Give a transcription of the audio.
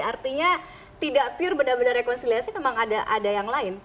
artinya tidak pure benar benar rekonsiliasi memang ada yang lain